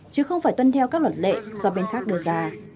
chứ không phải tuân theo các luật lệ do bên khác đưa ra